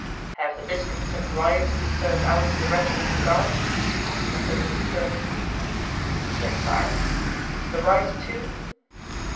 "Have the biscuits and rice been served out to the regiments of the Guards?" asked Napoleon sternly. "Yes, sire." "The rice too?"